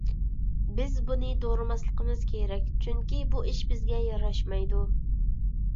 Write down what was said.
بىز بۇنى دورىماسلىقىمىز كېرەك، چۈنكى بۇ ئىش بىزگە ياراشمايدۇ.